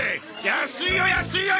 安いよ安いよ！